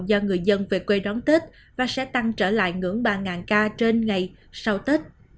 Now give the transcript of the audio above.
do người dân về quê đón tết và sẽ tăng trở lại ngưỡng ba ca trên ngày sau tết